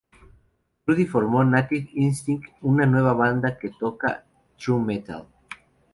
Rudy formó Native Instinct, una nueva banda que toca true metal.